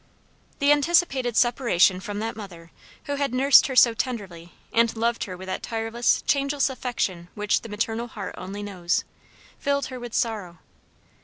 The anticipated separation from that mother, who had nursed her so tenderly and loved her with that tireless, changeless affection which the maternal heart only knows, filled her with sorrow.